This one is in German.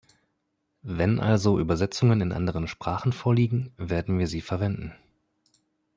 Wenn also Übersetzungen in anderen Sprachen vorliegen, werden wir sie verwenden.